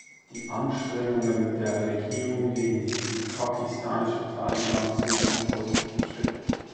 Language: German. Die Anstrengungen der Regierung gegen die pakistanischen Taliban sind ein positiver Schritt.